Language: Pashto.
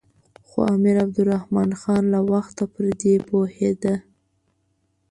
خو امیر عبدالرحمن خان له وخته پر دې پوهېده.